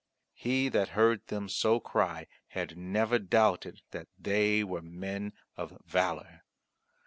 He that heard them so cry had never doubted that they were men of valour.